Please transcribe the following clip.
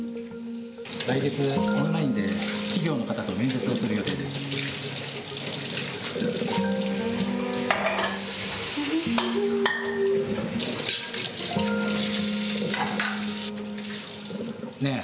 来月、オンラインで企業の方と面接をする予定です。ねぇ。